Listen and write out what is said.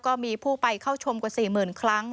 ก็มีผู้ไปเข้าชมกว่า๔๐๐๐ครั้ง